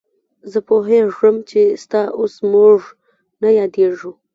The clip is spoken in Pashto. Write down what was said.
زه پوهېږم چې ستا اوس موږ نه یادېږو.